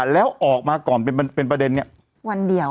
แล้วออกมาก่อนเป็นประเด็นเนี่ย